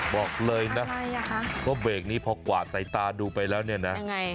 บอกเลยนะว่าเบรกนี้พอกวาดสายตาดูไปแล้วเนี่ยนะ